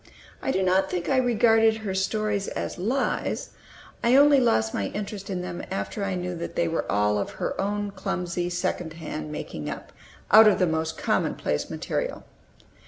I do not think I regarded her stories as lies; I only lost my interest in them after I knew that they were all of her own clumsy second hand making up, out of the most commonplace material.